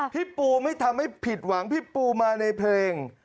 พี่ปูไม่ทำให้ผิดหวังพี่ปูมาในเพลง